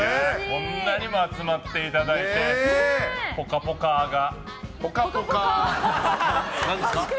こんなにも集まっていただいてぽかぽかーが。